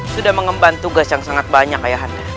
sudah mengembang tugas yang sangat banyak ayah anda